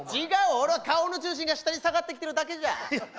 違う、俺は顔の中心が下に下がってきてるだけじゃ！